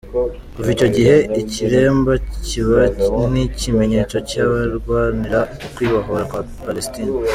Kuva icyo gihe, ikiremba kiba nk’ikimenyetso cy’abarwanira ukwibohora kwa Palestine.